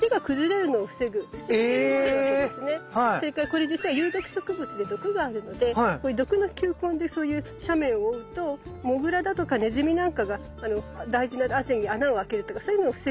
それからこれ実は有毒植物で毒があるのでこういう毒の球根でそういう斜面を覆うとモグラだとかネズミなんかが大事なあぜに穴をあけるとかそういうのを防ぐような役目になる。